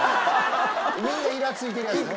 みんなイラついてるやつね。